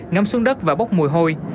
ngâm xuống đất và bốc mùi hôi